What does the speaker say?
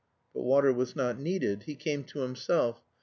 But water was not needed. He came to himself.